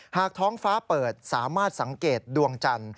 หากท้องฟ้าเปิดสามารถสังเกตดวงจร